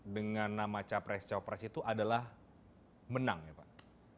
dengan nama capres capres itu adalah menang ya pak